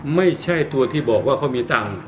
ไม่ใช่ตัวที่บอกว่าเขามีตังค์